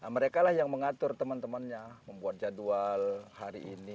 mereka lah yang mengatur teman temannya membuat jadwal hari ini